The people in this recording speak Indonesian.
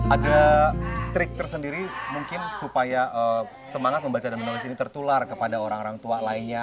ada trik tersendiri mungkin supaya semangat membaca dan menulis ini tertular kepada orang orang tua lainnya